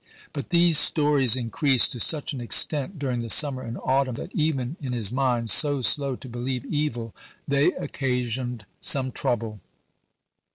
But these stories increased to such an extent during the summer and autumn that even in his mind, so slow to believe e\dl, they occasioned some trouble.